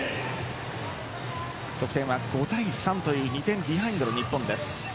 得点は５対３という２点ビハインドの日本です。